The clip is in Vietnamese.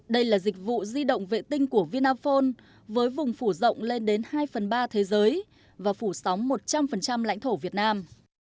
đây là dịch vụ di động vệ tinh của vinaphone với vùng phủ rộng lên đến hai phần ba thế giới và phủ sóng một trăm linh lãnh thổ việt nam